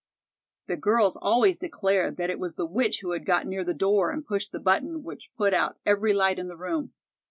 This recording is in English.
The girls always declared that it was the witch who had got near the door and pushed the button which put out every light in the room.